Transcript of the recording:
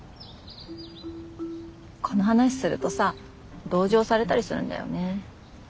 この話するとさ同情されたりするんだよね。